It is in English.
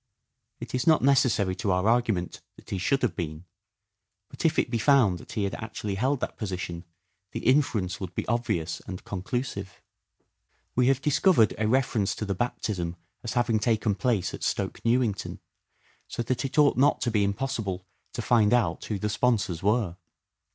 It is not necessary to our argument that he should have been, but if it be found that he actually held that position the inference would be obvious and conclusive. We have dis covered a reference to the baptism as having taken place at Stoke Newington, so that it ought not to be impossible to find out who the sponsors were.